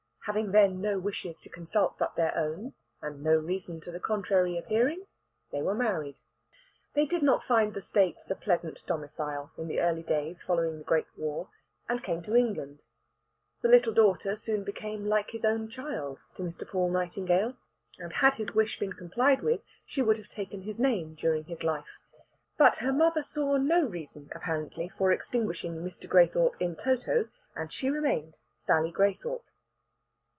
Having then no wishes to consult but their own, and no reason to the contrary appearing, they were married. They did not find the States a pleasant domicile in the early days following the great war, and came to England. The little daughter soon became like his own child to Mr. Paul Nightingale, and had his wish been complied with she would have taken his name during his life. But her mother saw no reason, apparently, for extinguishing Mr. Graythorpe in toto, and she remained Sally Graythorpe.